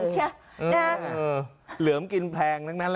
เหลือมกินแพงนั้นเลยนะ